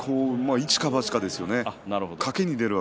それは一か八かですよね。